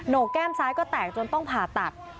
กแก้มซ้ายก็แตกจนต้องผ่าตัด